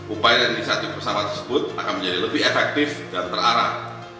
upaya inisiatif pesawat tersebut akan menjadi lebih efektif dan terarah